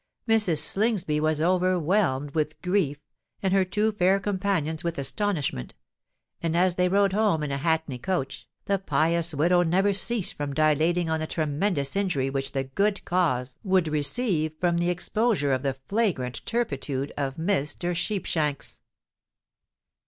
Mrs. Slingsby was overwhelmed with grief, and her two fair companions with astonishment; and as they rode home in a hackney coach, the pious widow never ceased from dilating on the tremendous injury which the "good cause" would receive from the exposure of the flagrant turpitude of Mr. Sheepshanks.